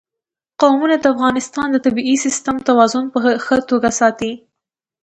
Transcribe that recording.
قومونه د افغانستان د طبعي سیسټم توازن په ښه توګه ساتي.